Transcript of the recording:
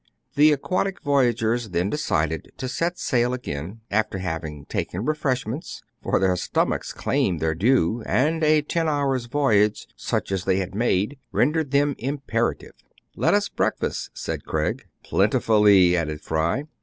The aquatic voyagers then decided to set sail again, after having taken refreshments ; for their stomachs claimed their due, and a ten hours* voy age, such as they had made, rendered them im perative. " Let us breakfast, said Craig. "Plentifully," added Fry.